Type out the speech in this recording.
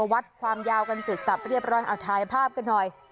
วัดความยาวกันเสร็จสับเรียบร้อยเอาถ่ายภาพกันหน่อย